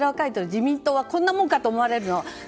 自民党はこんなもんかと思われる。